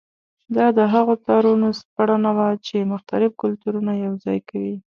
دا د هغو تارونو سپړنه وه چې مختلف کلتورونه یوځای کوي.